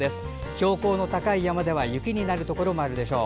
標高の高い山では雪になるところもあるでしょう。